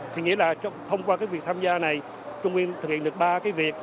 thì nghĩa là thông qua cái việc tham gia này trung ương thực hiện được ba cái việc